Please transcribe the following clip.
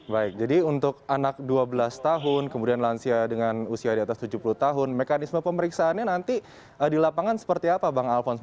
baik jadi untuk anak dua belas tahun kemudian lansia dengan usia di atas tujuh puluh tahun mekanisme pemeriksaannya nanti di lapangan seperti apa bang alphonse